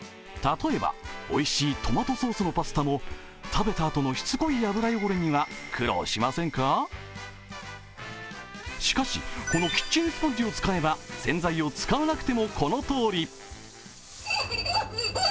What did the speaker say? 例えばおいしいトマトソースのパスタも食べたあとのしつこい油には苦労しませんか、しかしこのキッチンスポンジを使えば洗剤を使わなくてもこのとおり。